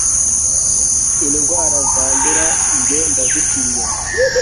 Indwara zandura njye ndazitinya